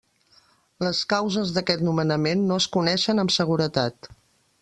Les causes d'aquest nomenament no es coneixen amb seguretat.